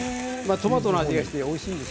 トマトの味がしておいしいんです。